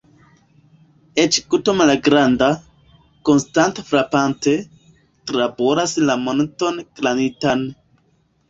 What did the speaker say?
Eĉ guto malgranda, konstante frapante, traboras la monton granitan.